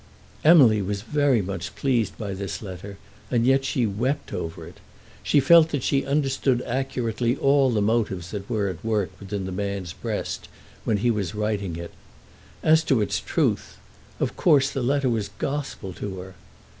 Emily was very much pleased by this letter, and yet she wept over it. She felt that she understood accurately all the motives that were at work within the man's breast when he was writing it. As to its truth, of course the letter was gospel to her.